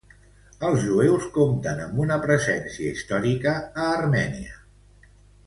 Els jueus compten amb una presència històrica a Armènia.